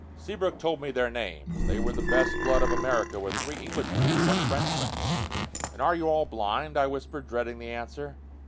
Seabrook told me their names. They were the best blood of America, with three Englishmen and one Frenchman. "And are you all blind?" I whispered, dreading the answer.